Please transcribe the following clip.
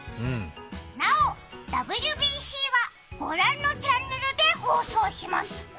なおＷＢＣはご覧のチャンネルで放送します。